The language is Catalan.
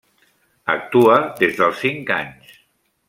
Actua des dels cinc anys.